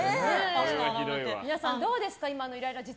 皆さん、どうですか？